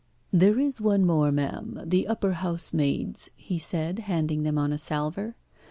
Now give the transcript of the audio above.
"There is one more, ma'am the upper housemaid's," he said, handing them on a salver.